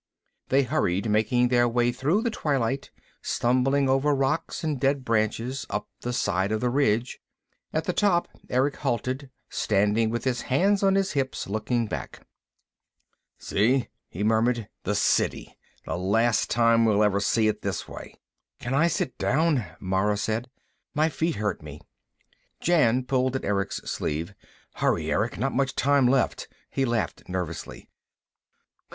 They hurried, making their way through the twilight, stumbling over rocks and dead branches, up the side of the ridge. At the top Erick halted, standing with his hands on his hips, looking back. "See," he murmured. "The City. The last time we'll ever see it this way." "Can I sit down?" Mara said. "My feet hurt me." Jan pulled at Erick's sleeve. "Hurry, Erick! Not much time left." He laughed nervously.